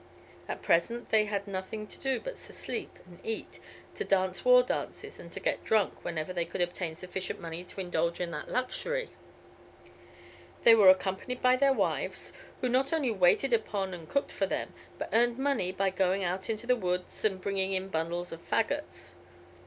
At present they had nothing to do but to sleep and eat, to dance war dances, and to get drunk whenever they could obtain sufficient money to indulge in that luxury. They were accompanied by their wives, who not only waited upon and cooked for them, but earned money by going out into the woods and bringing in bundles of faggots.